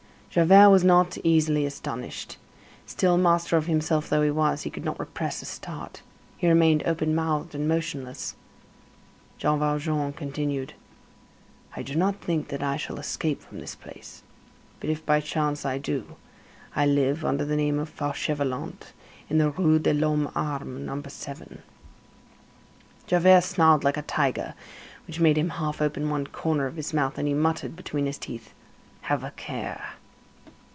Javert was not easily astonished. Still, master of himself though he was, he could not repress a start. He remained open mouthed and motionless. Jean Valjean continued: "I do not think that I shall escape from this place. But if, by chance, I do, I live, under the name of Fauchelevent, in the Rue de l'Homme Armé, No. 7." Javert snarled like a tiger, which made him half open one corner of his mouth, and he muttered between his teeth: "Have a care."